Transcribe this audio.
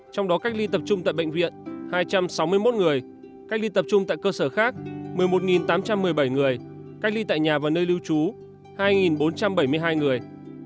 trong đó cách ly tập trung tại bệnh viện hai trăm sáu mươi một người cách ly tập trung tại cơ sở khác một mươi một tám trăm một mươi bảy người cách ly tại nhà và nơi lưu trú hai bốn trăm bảy mươi hai người